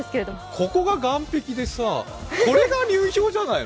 ここが岸壁でさこれが流氷じゃないの？